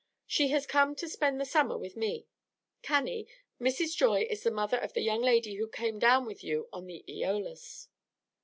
She has come to spend the summer with me. Cannie, Mrs. Joy is the mother of the young lady who came down with you in the 'Eolus.'"